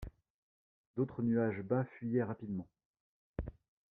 D’autres nuages bas fuyaient rapidement.